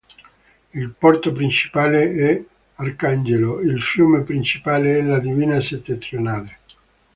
Il porto principale è Arcangelo, il fiume principale è la Dvina Settentrionale.